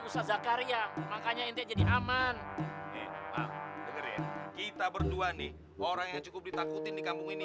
anak zakaria makanya ini jadi aman kita berdua nih orang yang cukup ditakutin di kampung ini